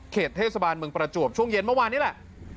เทศบาลเมืองประจวบช่วงเย็นเมื่อวานนี้แหละ